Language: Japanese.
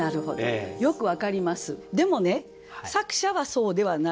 でもね作者はそうではないんです。